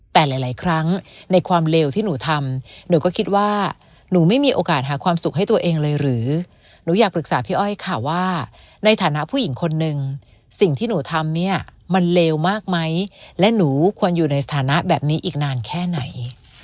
แต่หลายครั้งในความเลวที่หนูทำหนูก็คิดว่าหนูไม่มีโอกาสหาความสุขให้ตัวเองเลยหรือหนูอยากปรึกษาพี่อ้อยค่ะว่าในฐานะผู้หญิงคนนึงสิ่งที่หนูทำเนี่ยมันเลวมากไหมและหนูควรอยู่ในสถานะแบบนี้อีกนานแค่ไหน